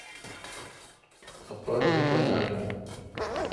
اپتھ دی پا نالون۔